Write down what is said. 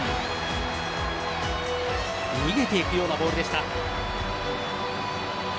逃げていくようなボールでした。